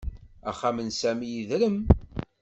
Axxam n Sami yedrem